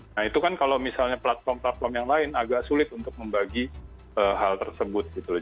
nah itu kan kalau misalnya platform platform yang lain agak sulit untuk membagi hal tersebut gitu loh